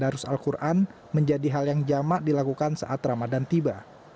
harus al quran menjadi hal yang jamak dilakukan saat ramadan tiba